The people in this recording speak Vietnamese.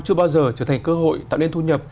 chưa bao giờ trở thành cơ hội tạo nên thu nhập